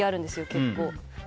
結構。